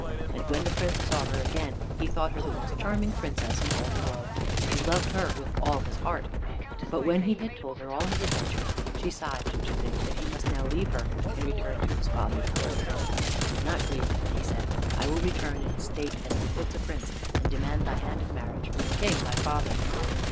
And when the Prince saw her again, he thought her the most charming Princess in all the world, and he loved her with all his heart. But when he had told her all his adventures she sighed to think that he must now leave her and return to his father's court. "Do not grieve," he said, "I will return in state as befits a Prince, and demand thy hand in marriage from the King thy father."